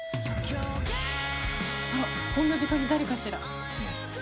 あらこんな時間に誰かしら？